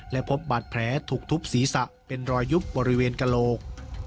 และพบบาดแผลถูกทุบศีรษะเป็นรอยยุบบริเวณกระโหลก